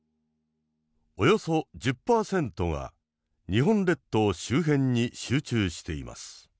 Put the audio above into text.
およそ１０％が日本列島周辺に集中しています。